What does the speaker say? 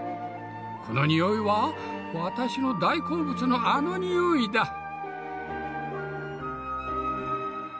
この匂いは私の大好物のあの匂いだ。